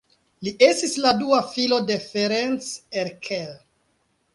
Li estis la dua filo de Ferenc Erkel.